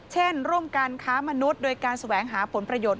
เช่นร่วมการค้ามนุษย์โดยการแสวงหาผลประโยชน